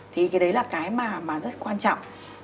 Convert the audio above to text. thì cái đấy là cái mà rất quan trọng